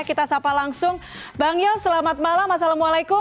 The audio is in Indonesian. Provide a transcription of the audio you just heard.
kita sapa langsung bang yos selamat malam assalamualaikum